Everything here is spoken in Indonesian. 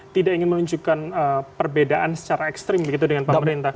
tidak ingin menunjukkan perbedaan secara ekstrim begitu dengan pemerintah